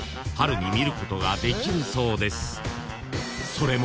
［それも］